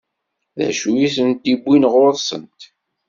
D acu i ten-iwwin ɣur-sent?